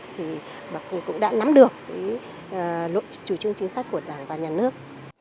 thì cũng đã nắm được lộ trình chính sách của đảng và nhà nước